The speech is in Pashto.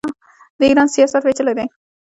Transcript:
د ایران سیاست پیچلی دی.